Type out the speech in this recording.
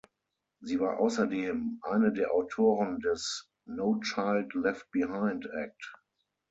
Sie war außerdem eine der Autoren des No Child Left Behind Act.